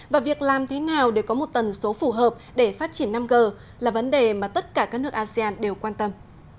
và việc làm thế nào để có một tần số phù hợp để phát triển năm g là vấn đề mà tất cả các nước asean đều quan tâm